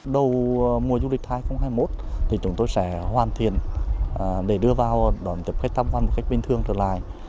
đầu mùa du lịch hai nghìn hai mươi một chúng tôi sẽ hoàn thiện để đưa vào đoàn tiếp khách thăm văn một cách bình thường trở lại